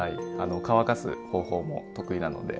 乾かす方法も得意なので。